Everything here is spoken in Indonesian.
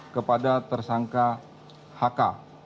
kepada tersangka hk